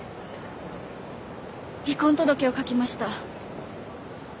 離婚届を書きました。